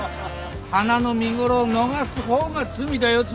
花の見頃を逃す方が罪だよ罪。